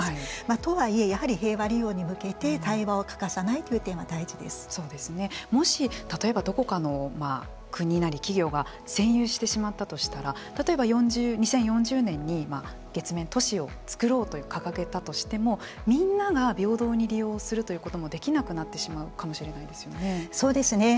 とはいえやはり平和利用に向けて対話を欠かさないという点がもし例えばどこかの国なり企業が占有してしまったとしたら例えば２０４０年に月面都市を作ろうと掲げたとしてもみんなが平等に利用するということもできなくなってしまうそうですね。